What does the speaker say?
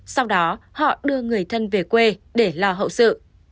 sau đó họ đưa người thân về quê để lo hậu sự